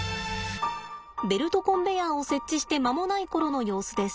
ベルトコンベヤーを設置して間もない頃の様子です。